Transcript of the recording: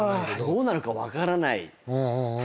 どうなるか分からない？